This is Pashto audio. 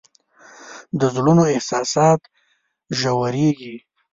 د زړونو احساسات ژورېږي